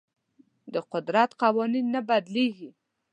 د قدرت قوانین نه بدلیږي.